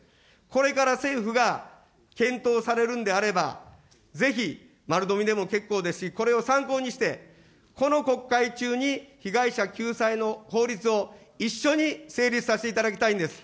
これから政府が検討されるんであれば、ぜひ丸のみでも結構ですし、これを参考にして、この国会中に被害者救済の法律を一緒に成立させていただきたいんです。